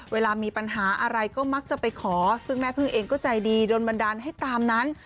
เวลามีปัญหาอะไรก็มักจะไปขอซึ่งแม่พึ่งเองก็ใจดีโดนบันดาลให้ตามนั้น